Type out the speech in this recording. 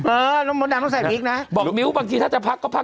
เออแล้วมดดำต้องใส่บิ๊กนะบอกมิ้วบางทีถ้าจะพักก็พัก